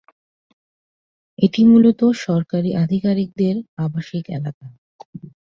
এটি মূলত সরকারি আধিকারিকদের আবাসিক এলাকা।